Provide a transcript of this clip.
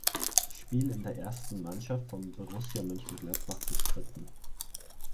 Spiel in der ersten Mannschaft von Borussia Mönchengladbach bestritten.